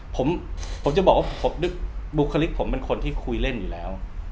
ผมผมจะบอกว่าบุฮล์คลิกส์ผมเป็นคนที่คุยเล่นอยู่แล้ว